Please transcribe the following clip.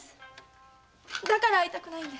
だから会いたくないんです。